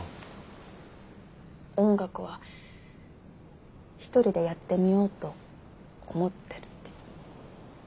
音楽は一人でやってみようと思ってるって。